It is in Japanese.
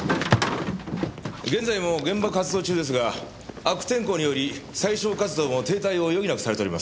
現在も現場活動中ですが悪天候により採証活動も停滞を余儀なくされております。